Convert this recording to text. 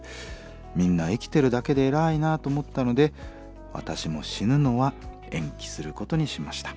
「みんな生きてるだけで偉いなと思ったので私も死ぬのは延期することにしました。